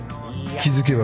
気付けば